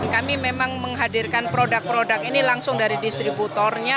kami memang menghadirkan produk produk ini langsung dari distributornya